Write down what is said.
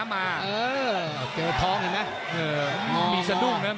มันโดนแต่มันไม่ยุดนะ